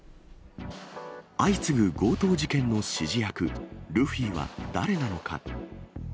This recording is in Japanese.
相次ぐ強盗事件の指示役、ルフィは誰なのか。